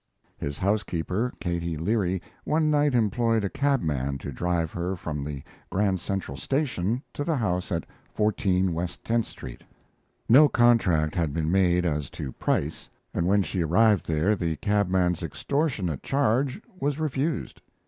His housekeeper, Katie Leary, one night employed a cabman to drive her from the Grand Central Station to the house at 14 West Tenth Street. No contract had been made as to price, and when she arrived there the cabman's extortionate charge was refused.